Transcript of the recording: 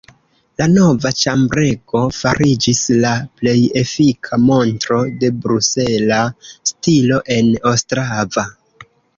La nova ĉambrego fariĝis la plej efika montro de brusela stilo en Ostrava.